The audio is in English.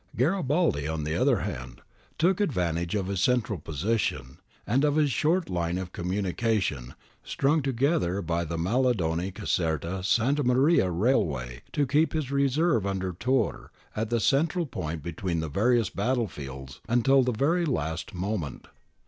Garibaldi, on the other hand, took advantage of his central position, and of his short line of communication, strung together by the Maddaloni Caserta Santa Maria railway, to keep his reserve under Turr at the central point between the various battlefields until the very last moment.